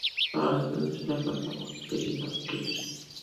افغانستان د سیلابونه له مخې پېژندل کېږي.